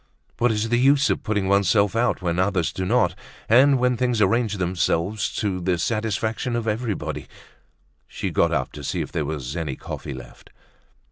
_ what is the use of putting oneself out when others do not, and when things arrange themselves to the satisfaction of everybody? She got up to see if there was any coffee left.